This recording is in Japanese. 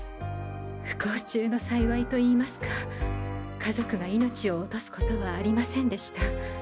不幸中の幸いといいますか家族が命を落とすことはありませんでした。